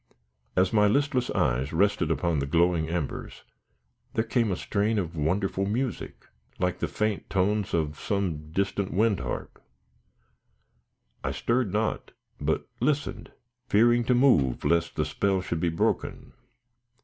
As my listless eyes rested upon the glowing embers, there came a strain of wonderful music, like the faint tones of some distant wind harp. I stirred not, but listened, fearing to move lest the spell should be broken.